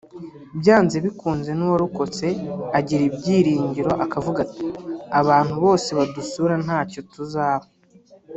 Byanze bikunze n’uwarokotse agira ibyiringiro akavuga ati abantu bose badusura ntacyo tuzaba